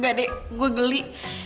udah deh mau beli